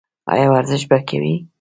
ایا ورزش به کوئ؟